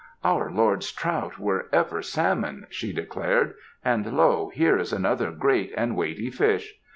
"Our lord's trout were ever salmon," she declared, "and lo! here is another great and weighty fish!